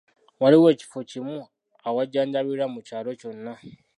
Waliwo ekifo kimu awajjanjabirwa mu kyalo kyonna.